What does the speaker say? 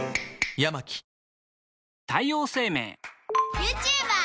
ユーチューバー！